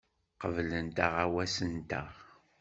Qeblent aɣawas-nteɣ.